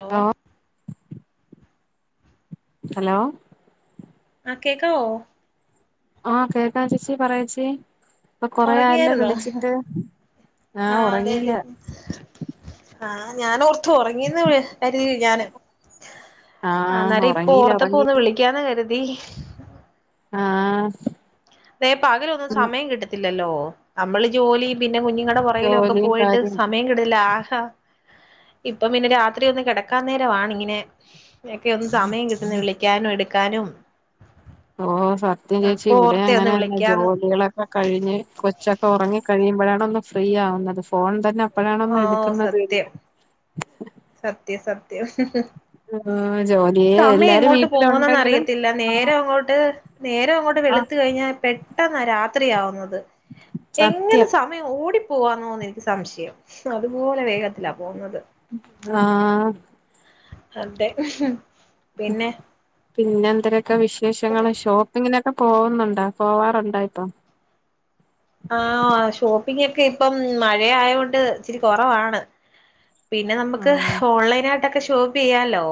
Hello hello ആഹ് കേക്കാവോ ആഹ് കേക്കാ ചേച്ചി പറയേച്ചി ഇപ്പൊ കൊറേയായല്ലോ ഉറങ്ങിയായിരുന്നോ വിളിച്ചിട്ട് ആ ആഹ് ഉറങ്ങീല ആഹ് ഞനോർത്തു ഉറങ്ങീന്ന് കരുതി ഞാന് ആഹ് ആനേരം ഇപ്പൊ ഒറങ്ങിയില്ല ഓർത്തപ്പോ ഒറങ്ങി ഒന്ന് വിളിക്ക്യാന്ന് കര്തി ആഹ് വേ പകലൊന്നും സമയം കിട്ടത്തില്ലല്ലോ നമ്മള് ജോലി പിൻ പിന്നെ കുഞ്ഞുങ്ങൾടെ പുറകിലൊക്കെ ജോലിയും പോയിട്ട് കാര്യം സമയം കിടില്ല ആഹാ ഇപ്പം പിന്നെ രാത്രി ഒന്ന് കിടക്കാൻ നേരമാണിങ്ങനെ ഒക്കെ ഒന്ന് സമയം കിട്ടുന്നേ വിളിക്കാനും എട്ക്കാനും മ് ഓ സത്യം ചേച്ചി ഇവിടെ ഓർത്തെ ഒന്ന് അങ്ങനെ ന്നെ വിളിക്കാന്ന് ജോലികളൊക്കെ കഴിഞ്ഞ് കൊച്ചൊക്കെ ഉറങ്ങി കഴിയുമ്പഴാണ് ഒന്ന്‌ ഫ്രീ ആവുന്നത്. ഫോൺ തന്നെ അപ്പോഴാണൊന്ന് എട്ക്കുന്നത് തന്നെ. സത്യ സത്യം ആഹ് ജോലിയെ സമയം എല്ലാരും എങ്ങോട്ട് പോകണന്ന് വീട്ടിലുണ്ടെങ്കിലും അറിയത്തില്ല ആഹ് നേരം അങ്ങോട്ട് നേരം അങ്ങോട്ട് ആഹ് വെള്ത്ത് കഴിഞ്ഞാ പെ പെട്ടന്നാ രാത്രിയാവുന്നത്. എങ്ങനെ സത്യം സമയം ഓടി പോവാന്നോന്ന് എനിക്ക് സംശയം അതുപോലെ വേഗത്തിലാ പോന്നത്. ആ അതെ പിന്നെ പിന്നെ എന്തേരക്കെ വിശേഷങ്ങള് ഷോപ്പിങ്ങിന ക്കെ പോകുന്നുണ്ടോ പോവാറുണ്ടോ ഇപ്പം ആ ഷോപ്പിങ്ങൊക്കെ ഇപ്പം മഴ ആയകൊണ്ട് ഇച്ചിരി കൊറവാണ്. പിന്നെ നമ്മക്ക് ആഹ് ഓൺലൈനായിട്ടൊക്കെ ഷോപ്പ് ചെയ്യാലോ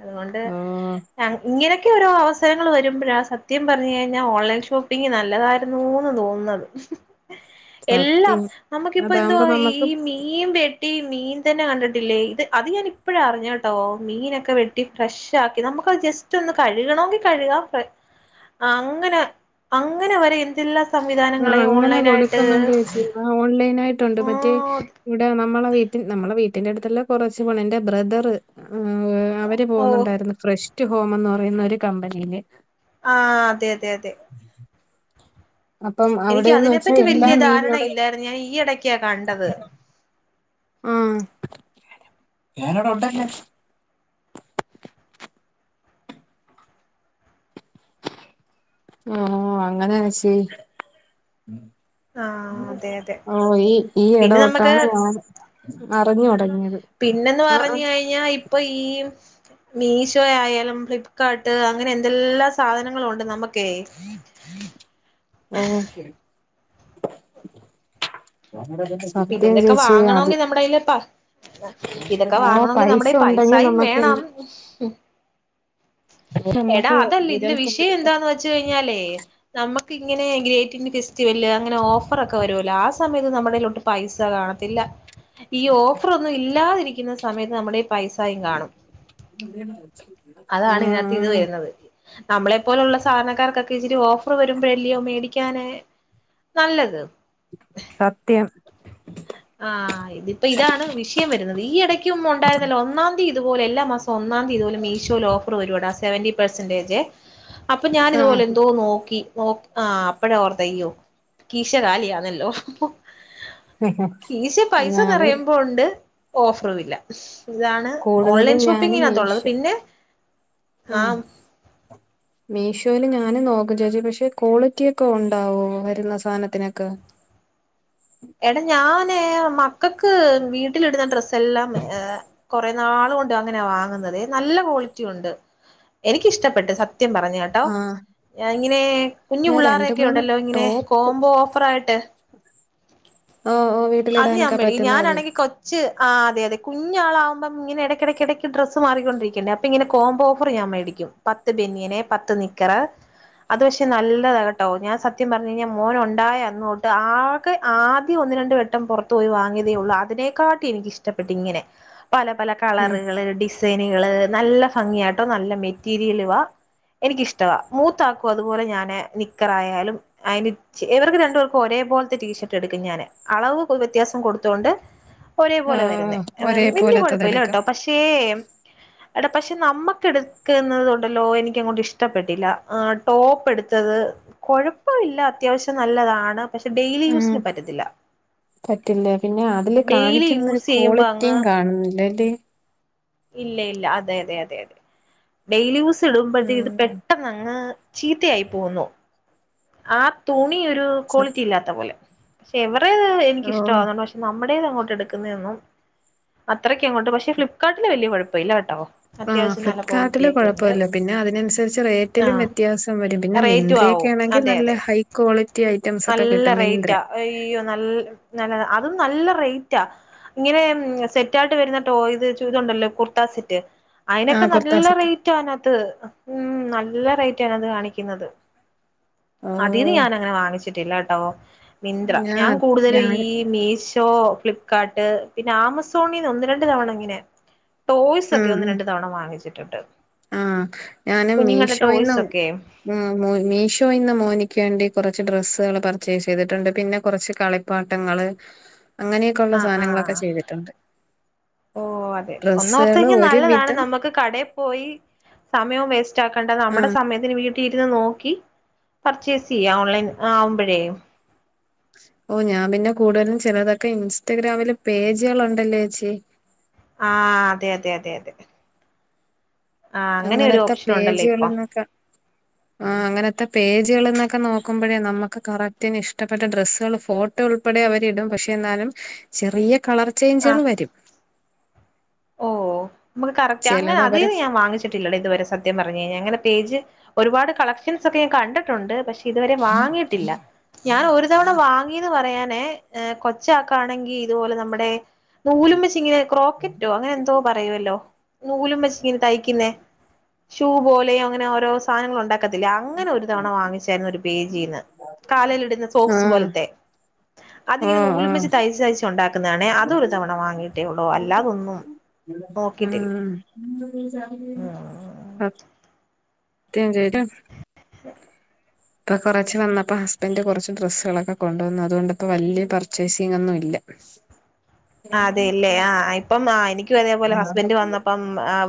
അതുകൊണ്ട് ഓഹ് ഞങ് ഇങ്ങനെ ക്കെ ഓരോ അവസരങ്ങൾ വരുമ്പഴാ സത്യം പറഞ്ഞു കഴിഞ്ഞാ ഓൺലൈൻ ഷോപ്പിംഗ് നല്ലതാരുന്നൂന്ന് തോന്നുന്നത് എല്ലാം സത്യം നമ്മക്കിപ്പ അതാകുമ്പോ എന്തുവാ നമുക്ക് ഈ മീൻ വെ ട്ടി മീൻ തന്നെ കണ്ടിട്ടില്ലേ ഇത് അത് ഞാൻ ഇപ്പോഴറിഞ്ഞട്ടോ മീനൊക്കെ വെട്ടി ഫ്രഷാക്കി നമ്മ ക്ക് ജസ്റ്റൊന്ന് കഴുകണോങ്കി കഴുകാം പ അങ്ങനെ അങ്ങനെ വരെ എന്തെല്ലാ ആ അങ്ങനെ കൊടുക്ക്ന്നുണ്ടേച്ചീ അ ഓൺലൈനായിട്ടുണ്ട് ആ മറ്റേ ഇവടെ ന മ്മളെ വീട്ടിൽ നമ്മളെ വീട്ടന്റെടുത്തല്ല കുറച്ച് പോണം എന്റെ ബ്രദറ് ആ അവര് ഓ പോവുന്നുണ്ടായിരുന്നു ഫ്രഷ് ടു ഹോം എന്ന് പറയുന്ന ഒരു കമ്പനിയില് ആ അതെ അതെ അതെ അപ്പം എനിക്ക് അവിടെന്ന് വെച്ചാ അതിനെപ്പറ്റി എല്ലാ വല്യ ധാരണ മീനുകളുടെയും ഇല്ലായിരുന്നു ഞാൻ ഈ ഇടക്കാ കണ്ടത് ആ ഞാനിവടെ ഉണ്ടല്ലോ ഓ അങ്ങനാച്ചി ആഹ് അതെ അതെ ഓ ഈ ഈ പിന്നെ നമുക്ക് ഇടതൊട്ടാണ് ഞാന് അറിഞ്ഞോടങ്ങി പിന്നന്ന് പറഞ്ഞു കഴിഞ്ഞാ ഇപ്പൊ ഈ മീഷോ ആയാലും ഫ്ലിപ്പ്കാർട്ട് അങ്ങനെ എന്തെല്ലാം സാധനങ്ങളുണ്ട് നമ്മുക്കേ ഓഹ് ശരി പിന്നിതൊക്കെ വാങ്ങണോങ്കി നമ്മുടെ കയ്യില് പ ഇതൊക്കെ ആ വാങ്ങണോങ്കി പൈസ നമ്മുടെ ഉണ്ടെങ്കിൽ പൈസാ യും നമുക്ക് വേണം എടാ നമ്മക്ക് അതല്ല വിരൽ ഇതിന്റെ തുമ്പിൽ തന്നെ വിഷയവെന്താന്ന് വെച്ച് കഴിഞ്ഞാലേ നമ്മ ക്കിങ്ങനെ ഗ്രേറ്റിഇന്ത്യൻ ഫെസ്റ്റിവല്ല് അങ്ങനെ ഓഫറൊക്കെ വരുവല്ലോ ആ സമത്ത് നമ്മുടെയിലോട്ട് പൈസ കാണത്തില്ല ഈ ഓഫറൊന്നും ഇല്ലാതിരിക്കുന്ന സമയത്ത് നമ്മുടെകയി പൈസായും കാണും അതാണ് ഇതിനകത്ത് ഇത് ആഹ് വരുന്നത് നമ്മളെ പോലുള്ള സാധാരണക്കാർക്കൊക്കെ ഇച്ചിരി ഓഫറ് വരുമ്പോഴല്ല്യയോ മേടിക്കാന് നല്ലത് സത്യം ആ ഇതിപ്പോ ഇതാണ് വിഷയം വരുന്നത് ഈ ഇടയ്ക്കും ഒണ്ടായിരുന്നല്ലോ ഒന്നാം തീയതി ഇതുപോലെ എല്ലാ മാസോം ഒന്നാം തീ ഇതുപോലെ മീഷോല് ഓഫർ വരൂടാ സെവൻ്റീ പെർസന്റെജേ അപ്പൊ ഞാനിതുപോലെ ആഹ് എന്തോ നോക്കി നോ ആ അപ്പഴാ ഓർത്തെ യ്യോ കീശകാലിയാന്നല്ലോ കീശേ ഞാനും പൈസന്നറയുമ്പോണ്ട് ഓഫറുവില്ല ഇതാണ് ഓൺലൈൻ കൂടുതലും ഞാനും ഷോപ്പിങ്ങിനത്തുള്ളത് മീഷോ പിന്നെ ആം മിഷൊ ല് ഞാനും നോക്കും ചേച്ചി പക്ഷെ ക്വാളിറ്റിയൊക്കെ ഉണ്ടാവോ വരുന്ന സാധനത്തിനൊക്കെ എടാ ഞാന് മക്കക്ക് വീട്ടിലിടുന്ന ഡ്രസ്സെല്ലാം അ കൊറെ നാള് കൊണ്ട് അങ്ങനെയാ വാങ്ങുന്നതേ നല്ല ക്വാളിറ്റിയുണ്ട് എനിക്കിഷ്ടപ്പെട്ട് സത്യം പറഞ്ഞട്ടോ ആഹ് ഞാ ഇങ്ങനെ കുഞ്ഞു ഞാൻ രണ്ട് പിള്ളേരടെയൊക്കെ മൂന്ന് ഉണ്ടല്ലോ ഇങ്ങനെ ടോപ്പ് കോംബോ ഓഫറായിട്ട് ഓഹ് ഓഹ് അത് ഞാൻ വീട്ടിലിടാനൊക്കെ മേടിക്കും പറ്റുന്നത് ഞാനാണെങ്കി കൊച്ച് ആ അതെ യതെ കുഞ്ഞാളാവുമ്പം ഇങ്ങെനെ ഇടക്കെടക്കിടക്ക് ഡ്രസ്സ് മാറിക്കൊണ്ടരിക്കണ്ടേ അപ്പോ ഇങ്ങനെ കോമ്പോ ഓഫറ് ഞാൻ മേടി ക്കും പത്ത് ബെനിയന് പത്ത് നിക്കറ് അത് പക്ഷെ നല്ലതാ കേട്ടോ ഞാൻ സത്യം പറഞ്ഞു കഴിഞ്ഞാ മോനുണ്ടായ അന്നൊട്ട് ആ ക്ക് ആദ്യം ഒന്ന് രണ്ട് വട്ടം പൊറത്തോയി വാങ്ങിയതേ ഉള്ളൂ അതിനെക്കാട്ടി എനിക്കിഷ്ടപ്പെട്ട് ഇങ്ങനെ പല പല ഉം കളറുകള് ഡിസൈനുകള് നല്ല ഫംഗിയാട്ടോ നല്ല മെറ്റീരിയലുവാ എനിക്കിഷ്ടവാ മൂത്താക്കും അതുപോലെ ഞാന് നിക്കറായാലും അതിന് ച്ച് ഇവർക്ക് രണ്ടുപേർക്കും ഒരേപോല ത്തെ ടീഷർട്ട് എടുക്കും ഞാന് അളവ് വ്യത്യാസം കൊടുത്തുകൊണ്ട് ഒരേപോലെ ആഹ് വരുന്നേ ഒരേ വല്ല്യ പോലത്തത് എടുക്കും കൊഴപ്പല്ലട്ടോ പഷേ എടാ പഷേ നമ്മുക്ക് എടുക്കുന്നതുണ്ടല്ലോ എനിക്കങ്ങോട്ട് ഇഷ്ടപ്പെട്ടില്ല ആ ടോപ്പ് എടു ത്തത് കൊഴപ്പില്ല അത്യാവശ്യം നല്ലതാണ് പക്ഷെ ഡെയിലി ഉം യൂസിന് പറ്റത്തില്ല പറ്റില്ല പിന്നെ അതില് ഡെയിലി കാണിക്കുന്ന ഒരു യൂസ് ചെയ്യുമ്പോ അങ്ങ് ക്വാളിറ്റിയും കാണുന്നില്ല അല്ലേ ഇല്ല ഇല്ല അതെ അതെ അതെ അതെ ഡെയിലി യൂസ് ഇടുമ്പോഴത്തേക്ക് ഇത് ഉം പെട്ടെന്ന് അങ്ങ് ചീത്തയായി പോവുന്നു ആ തുണി ഒരു സ ക്വാളിറ്റി ഇല്ലാത്ത പോലെ പക്ഷേ എവർ റേത് ഓഹ് എനിക്കിഷ്ടവാണ പഷേ നമ്മ ടേത് അങ്ങോട്ട് എടുക്കുന്ന തൊന്നും അത്രയ്ക്കെങ്ങോട്ട് പക്ഷെ ഫ്ലിപ്കാർട്ടില് വല്ല്യ കൊഴപ്പില്ലകേട്ടോ ആ ഫ്ലിപ്കാർട്ടില് കൊഴപ്പല്ല പിന്നെ അതിനനുസരിച്ച് റേറ്റിലും ആഹ് വ്യത്യാസം വരും പിന്നെ റേറ്റും മിന്ത്രയൊക്കെ ആവും ആണെങ്കി ൽ അതെ അതെ നല്ല ഹൈക്വാളിറ്റി നല്ല റേറ്റാ അയ്യോ ന നല്ല അതും നല്ല റേറ്റാ ഇങ്ങനെ സെറ്റായിട്ട് വരുന്ന ട്ടോ ഇത് ഇതുണ്ടല്ലോ കുർത്താ സെറ്റ് അയിനൊക്കെ ആഹ് കുർത്താ നല്ല സെറ്റ് റേറ്റ് ആനത്ത്‌ ഉല്ല നല്ല റേറ്റ ആണ് അത് കാണിക്കുന്നത് അതിന്ന് ഓഹ് ഞാൻ അങ്ങനെ വാങ്ങിച്ചിട്ടില്ല കേട്ടോ! മിന്ത്ര ഞാ ഞാൻ കൂടുതലും ഞാൻ ഈ മീശ് - ട്ടോ ഫ്ലിപ്പ്കാർട്ട് പിന്നെ ആമസോണീന്ന് ഒന്ന് രണ്ട് തവണ ഇങ്ങനെ ടോയ്സ് ഒക്കെ ഒന്ന് രണ്ടു തവണ വാങ്ങിച്ചിട്ടുണ്ട്. ആ ഞാനും കുഞ്ഞുങ്ങളുടെ മീഷോയിന്ന് ടോയ്സ് ഒക്കെ ഉം മീഷോയിന്ന് മോനിക്കേണ്ടി- കുറച്ച് ഡ്രെസ്സുകള് പർച്ചേസ് ചെയ്തിട്ടുണ്ട് പിന്നെ കുറച്ച് കളിപ്പാട്ടങ്ങള് അങ്ങനെയൊക്കെയൊള്ള ആഹ് സാധനങ്ങളൊക്കെ ആഹ് ചെയ്തിട്ടുണ്ട്. ഓ അതെ ഒന്നോർത്തു ഡ്രസ്സുകള് കഴിഞ്ഞാ നല്ലതാണ് ഒരുവിധം നമ്മുക്ക് കടയിൽ പോയി സമയവും വേസ്റ്റ് ആക്കേണ്ട നമ്മുടെ സമയത്തിന് വീ- ട്ടിരുന്ന് നോക്കി പർച്ചേസ് ചെയ്യാം ഓൺലൈൻ ആവുമ്പോഴേ ഓ ഞാൻ പിന്നെ കൂടുതലും ചെല തൊക്കെ ഇൻസ്റ്റഗ്രാമില് പേജുകൾുണ്ടല്ലേ ചേച്ചി ആ അതെ അതെ അതെ അതെ. ആഹ് അങ്ങനെ ഒരു അങ്ങനത്തെ ഓപ്ഷൻ ഉണ്ടല്ലോ ഇപ്പൊ പേജുകളന്നൊക്കെ ആ അങ്ങനൊക്കെ പേജുകൾ എന്നൊക്കെ നോക്കുമ്പോഴേ നമ്മുക്ക് കറക്റ്റങ്ങ് ഇഷ്ടപ്പെട്ട ഡ്രസ്സുകള് ഫോട്ടോ ഉൾപ്പെടെ അവരിടും പക്ഷെ എന്നാലും ചെറിയ കളർ ആഹ് ചേഞ്ചുകൾ വരും. ഓ നമു കറക്റ്റ് അങ്ങന ചിലത് അവരെ അതിന് ഞാൻ വാങ്ങിച്ചിട്ടില്ലഡേ ഇതുവരെ സത്യ പറഞ്ഞ് കഴിഞ്ഞാൽ അങ്ങനെ പേജ്- ഒരുപാട് കളക്ഷൻസ് ഒക്കെ ഞാൻ കണ്ടിട്ടുണ്ട് പക്ഷെ ഇതുവരെ വാങ്ങിയിട്ടില്ല ഞാൻ ഒരു തവിണ വാങ്ങിന്ന് പറയാനേ കൊച്ച ആക്കണെങ്കി ഇതുപോലെ നമ്മുടെ- നൂലും വച്ചിങ്ങനെ ക്രോക്കറ്റോ അങ്ങനെ എന്തോ പറയുവല്ലോ നൂലും വച്ച് തയ്ക്കുന്ന ഷൂ പോലെ അങ്ങനെ ഓരോ സാധനങ്ങ ഉണ്ടാക്ക- ത്തില്ല അങ്ങനെ ഒരു തവണ വാങ്ങിച്ചായിരുന്നു ഒരു പേജീന്ന് കാലൽ ഇടുന്ന സോക്സ് ആഹ് പോലത്തെ അതിങ്ങനെ ഓഹ് നൂലും വച്ച് ഓഹ് തയ്ച്ച് തയ്ച്ച് ഉണ്ടാക്കുന്നതാണേ അതൊരു തവണ വാങ്ങിട്ടേ ഉള്ളൂ അല്ലാതൊന്നും നോക്കിയിട്ടില്ല ആ [unintelligible] അ.. ഇപ്പൊ കുറച്ച് വന്നപ്പോ ഹസ്ബന്ഡറ് കുറച്ച് ഡ്രസ്സുകളൊക്കെ കൊണ്ടുവന്നു അതുകൊണ്ടപ്പോ വലിയ പർച്ചേസിംഗ ഒന്നും ഇല്ല. അതേല്ലേ ആ ഇപ്പം ആ എനിക്കും അതേപോലെ ഹസ്ബൻഡ് വന്നപ്പം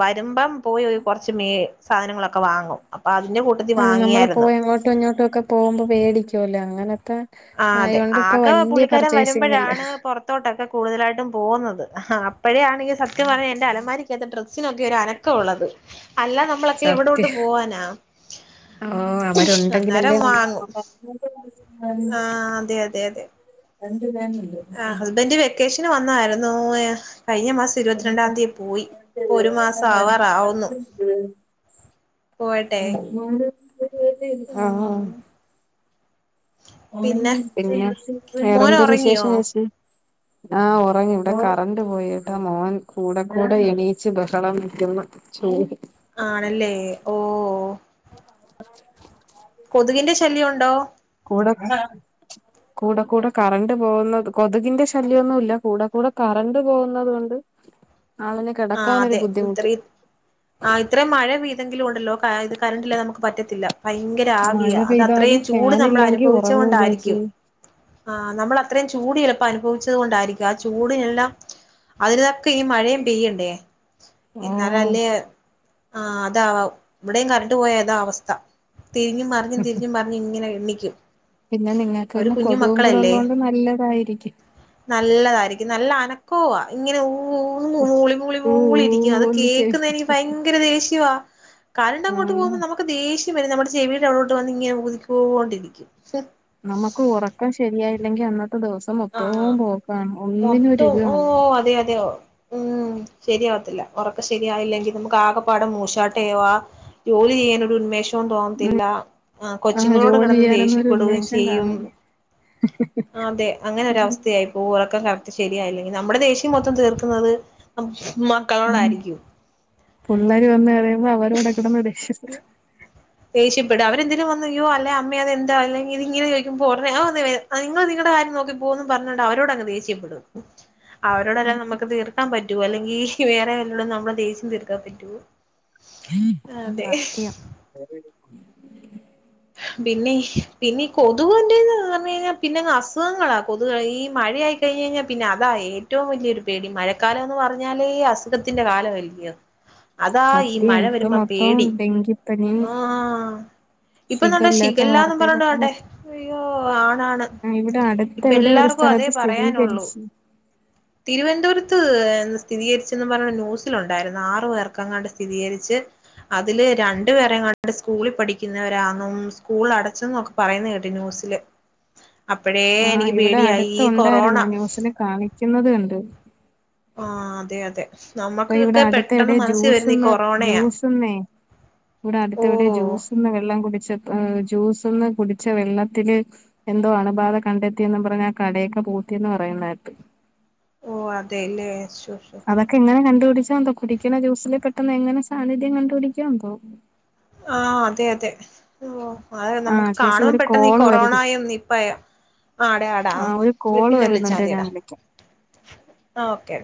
വരുമ്പം പോയി ഒരു കുറച്ച് മേ സാധനങ്ങളൊക്കെ വാങ്ങും അതിന്റെ കൂട്ടത്തിൽ ആ നമ്മള് വാങ്ങിയായിരുന്നു പോയി അങ്ങോട്ടും ഇങ്ങോട്ടുമൊക്കെ പോകുമ്പോ മേടിക്കുവല്ലേ അങ്ങനെ ആ അതെ ആകെ പുള്ളിക്കാരൻ പർച്ചേസിംഗ് ഇല്ല വരുമ്പോഴാണ് പുറത്തോട്ടൊക്കെ കൂടുതലായിട്ടും പോകുന്നത്. ആ അപ്പോഴോണ് സത്യം പറഞ്ഞ എന്റെ അലമാരിക്കാത്ത ഡ്രസ്സിനൊക്കെ ഒരു അനക്കം ഉള്ളത്. അല്ല നമ്മളൊക്കെ എവിടോട്ട് പോവാനാ? ആഓ അന്നേരം അവരുണ്ടെങ്കിലല്ലേ നമ്മോ- വാങ്ങും ആ അതെ അതെ അതെ ആഹ് ഹസ്ബൻഡ് വെക്കേഷന് വന്നായിരുന്നു കഴിഞ്ഞ മാസം ഇരുപത്തിരണ്ടാം തീയതി പോയി ഇപ്പൊ ഒരു മാസം ആവാറാവുന്നു പോവട്ടെ അ. ആഹ് ഉം പിന്നെ പിന്നെയ മോന് ഒറങ്ങിയോ വേറെന്തരുശേഷം ചച്ച ആ ഉറങ്ങി ഇവിടെ കറണ്ട് പോയിട്ടാ മോൻ കൂടെ കൂടെ എണീച്ച് ബഹളം കട്ടു ചോ ആണല്ലേ ഓ.. ആ! കൊതുകിന്റെ ശല്യംഉണ്ടോ? [unintelligible] കൂടെ കൂടെ കറണ്ട് പോകുന്നത് കൊതുകിന്റെ ശല്യംൊന്നുമ ഇല്ല കൂടെ കൂടെ കറണ്ട് പോകുന്നുന്നത്... ഉ ആഹ അതെ ഇത്ര ആ് ഇത്രയും മഴ പെയതെങ്കിലും ഉണ്ടല്ലോ കരണ്ടില്ലാതെ.... ഭയങ്കര ആവിയ മഴ പെയ്താലും അത്ത്രയും ചൂട് നമ്മൾ ഫാനില്ലെങ്കി അനുഭവിച്ച ഉറങ്ങൂല ചേച്ചി കൊണ്ടായിരിക്കും.. ആഹ നമ്മൾ അത്രയും ചൂട് എളുപ്പം അനുഭവിച്ചത് കൊണ്ടായിരിക്കും ആ ചൂടിനെല്ലാം.. അതിൽതൊക്കെ ഈ മഴയും പെയ്യണ്ടേ.. ഓഹ് എന്നാലല്ലേ ആ അതാഇവിടെയും കറണ്ട്ു പോയ ഏതാ അവസ്ഥ. തിരിഞ്ഞും മറിഞ്ഞും തിരിഞ്ഞും മറിഞ്ഞും പറഞ്ഞ് ഇങ്ങനെ എണ്ണിക്കും. പിന്നെ നിങ്ങക്ക് അവര് പിന്നെ കുഞ്ഞു കൊതും കൂടെ മക്കളല്ലേ ഉള്ളതത്ോണ്ട് നല്ലതായിരിക്കും.. നല്ലതായിരിക്കും നല്ല അനക്കവാ ഇങ്ങനെ ഊഊന്ന മൂളി മൂളി ഊ ഊ മൂളി.. അത് ഒന്ന് കേൾക്കുന്ന ചെവിക്കാ എനിക്ക് ഭയങ്കര ദേഷ്യവാ. കരണ്ട് അങ്ങോട്ട് ആഹ് പോകുമ്പോൾ നമുക്ക് ഷ്യം വരെ നമ്മുടെ ചെവിുടെ അവിോട്ട് വന്ന് ഇങ്ങനെ കുതിക്കൊണ്ടിരിക്കും.. നമുക്ക് ഉറക്കം ശരിയായില്ലെങ്കി.. ഇപ്പ ദിവസം ആഹ് മൊത്തം ഓ [unintelligible] അതെ അതെ ഉം ശരിയാവത്തില്ല ഉറക്ക ശരിയായില്ലെങ്കിൽ നമുക്ക് ആകെപാടം മൂശാട്ടേ ജോലി ചെയ്യാനൊ.. തോന്നത്തില്ല ആ ആഹ് കൊച്ചുങ്ങളോട് ജോലി കിടന്ന് ചെയ്യാനൊന്നും ഒരു ദേഷ്യപ്പെടുകയും ഉന്മേഷം ചെയ്യും.. കാണൂല അതെ. അങ്ങനെൊര അവസ്ഥയായിപ്പോൊ ഉറക്കം കാലത്ത് ശരിയായില്ലെങ്കിൽ നമ്മുടെ ദേഷ്യം മൊത്തം തീർക്കുന്നത്.. ഉ മക്കളോടായിരിക്കും പള്ളര് വന്ന് എറയുമ്പോ അവരടെ കിടന്ന് ദേഷ്യാ.. ദേഷ്യപ്പെടുക അവരെന്തിനും വന്നുയോ അല്ല അമ്മ അതെന്താ അല്ലെങ്ക ഇങ്ങനെ ചോിക്കുമ്പോെ വ നിങ നോക്കികന്ന് പറഞ്ഞണ്ട് അവരോട് അങ് ദേഷ്യപ്പെടും അവരോടെല്ലാം നമുക്ക് തീർക്കാൻ പറ്റുവോ അല്ലെങ്കിൽ വേറെ വല്ലോടും നമ്മളുടെ ദേശ്യം തീർക്കാൻ പറ്റുവോ.. അതെ സത്യം. പിന്നെ പിന്നെ ഈ കൊതുകുൻ്റെന്ന് പറഞ്ഞ കഴിഞ്ഞാൽ പിന്നെങ് അസുഖങ്ങളാണ് കൊതുക ഈ മഴയായി.. കഴിഞ്ഞ പിന്നെ അതാ ഏറ്റവും വലിയൊരു പേടി മഴക്കാലം എന്ന് പറഞ്ഞാലേ അസുഖത്തിന്റെ കാലം വല്യ.. അതാ ഈ സത്യം മഴ ഇപ്പൊ വരുമ്പോ മൊത്തം പേടി ഡെങ്കിപ്പനി ആഹ.. ഇപ്പൊന്നോ ഷിഖല്ലാത്ത ശിഖല്ലാന്നന്ന് പറഞ്ഞണ്ട വാർത്തയിലൊക്കെ വണ്ടേ മൊത്തം അയ്യോ ആണാണ് ആഹ് ഇവിടെ അടുത്ത് ഇപ്പ എവിടെ ഒരു സ്ഥലത്ത് എല്ലാർക്കും.. പറയാനുള്ളൂ സ്ഥിരീകരിച്ച് [unintelligible] ഇ സ്ഥിരീകരിച്ചന്ന് പറഞ്ഞ ന്യൂസിലുണ്ടായിരുന്നു ആറു പേർക്കങ്ങാണ്ട് സ്ഥിരീരിച്ച്... അതില് രണ്ടു പേരെ കണ്ട് സ്കൂളിൽ [unintelligible] ിക്കുന്നവരാന്നും സ്കൂൾ അടച്ച എന്നൊക്കെ പറയുന്ന കേട്ട് ന്യൂസില്.. അപ്പഴേ ആഹ് എനിക്ക് ഇവിടെ പേടിയായി അടുത്ത് ഈ കൊറോണ.. ഉണ്ടായിരുന്നു ന്യൂസില് [unintelligible] കണ്ട്.. ആ അതെ അതെ ഇപ്പൊ ഇവിടെ നമ്മക്കൊക്കെ അടുത്ത എവിടെ പെട്ടെന്ന് മനസ്സിൽ വരുന്ന ഈ ജ്യൂസ്ന്ന് കൊറോണയാ ജ്യൂസന്നേ... ഇവിടെ ഓ അടുത്തവിടെ ജൂസ്ന്ന് വെള്ളം കുടി... ജൂ ഒന്ന് കുടിച്ച വെള്ളത്തില്ൽ എന്തോ അണുബാധ കണ്ടെത്തിന്ന് പറഞ്ഞൽ കട... [unintelligible] വഥേല്ലേ... അതൊക്കെ എങ്ങനെ കണ്ടുപിടിച്ചാ എന്തോ കുടിക്കണ ജ്യൂസില് പെട്ടന്ന് എങ്ങനെ സാന്നിധ്യം കണ്ടുപിടിക്കാന്തോ.. ആഹ അതെ അതെ ഓ അത് ആഹ് നമുക്ക് ചേച്ചി കാണൻ ഒരു പെട്ടെന്ന് ഈ കോള് കൊറോണ വരുന്നു ആയോ നീപ്പായ... ആ ആടാ ആടാ ആഹ് ഒരു കോള് പിന്നെ വിളിച്ചാൽ വരുന്നുണ്ടേ ഞാൻ മതിയടാ വിളിക്കാം ആ ഓക്കേ..